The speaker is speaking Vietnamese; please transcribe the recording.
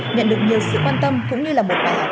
nhận được nhiều sự quan tâm cũng như là một bài học